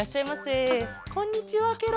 あっこんにちはケロ。